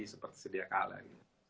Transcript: seperti sediakala ini